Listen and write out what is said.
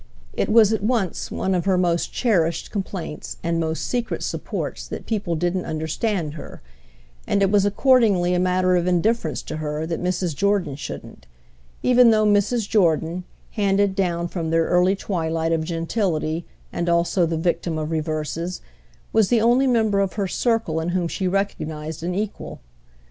It was at once one of her most cherished complaints and most secret supports that people didn't understand her, and it was accordingly a matter of indifference to her that Mrs. Jordan shouldn't; even though Mrs. Jordan, handed down from their early twilight of gentility and also the victim of reverses, was the only member of her circle in whom she recognised an equal.